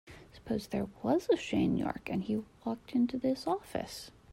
Suppose there was a Shane York and he walked into this office.